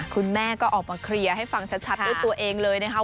คุณแม่ก็ออกมาเคลียร์ให้ฟังชัดด้วยตัวเองเลยนะคะ